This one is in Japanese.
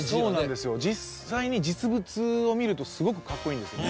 実際に実物を見るとすごくかっこいいんですよ